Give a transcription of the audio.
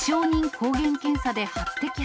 抗原検査で初摘発。